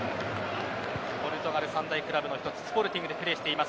ポルトガル三大クラブスポルティングでプレーしています。